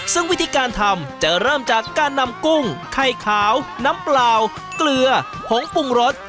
ซึ่งวิธีการทำจะเริ่มจากการนำกุ้งไข่ขาวน้ำเปล่าเกลือผงปรุงรส